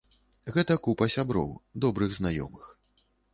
Гэта купа сяброў, добрых знаёмых.